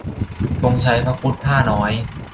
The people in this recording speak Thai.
ธงชัยพระครุฑพ่าห์น้อย